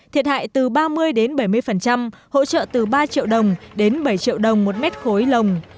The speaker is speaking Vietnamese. thiệt hại từ ba mươi đến bảy mươi hỗ trợ từ ba triệu đồng đến bảy triệu đồng một mét khối lồng